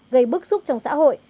gây bức xúc trong xã hội